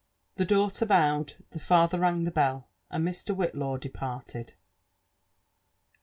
" The daughter bowpd, the father rang the bell, and Mr. Whi.tlai«r departed.